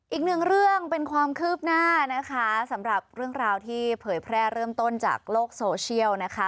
อีกหนึ่งเรื่องเป็นความคืบหน้านะคะสำหรับเรื่องราวที่เผยแพร่เริ่มต้นจากโลกโซเชียลนะคะ